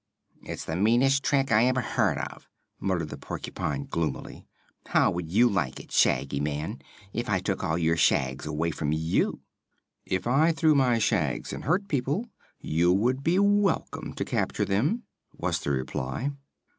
"It's the meanest trick I ever heard of," muttered the porcupine gloomily. "How would you like it, Shaggy Man, if I took all your shags away from you?" "If I threw my shags and hurt people, you would be welcome to capture them," was the reply.